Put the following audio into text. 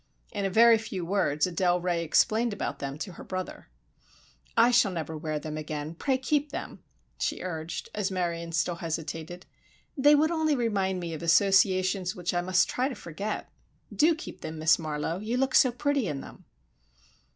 In a very few words Adele Ray explained about them to her brother. "I shall never wear them again, pray keep them," she urged, as Marion still hesitated. "They would only remind me of associations which I must try to forget. Do keep them, Miss Marlowe, you look so pretty in them."